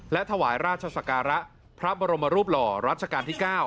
และถวายราชศักระพระบรมรูปหล่อรัชกาลที่๙